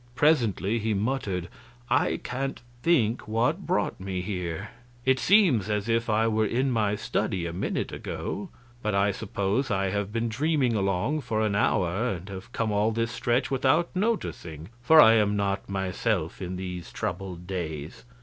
Presently he muttered, "I can't think what brought me here; it seems as if I were in my study a minute ago but I suppose I have been dreaming along for an hour and have come all this stretch without noticing; for I am not myself in these troubled days."